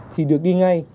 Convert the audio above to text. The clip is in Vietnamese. thì được đi ngay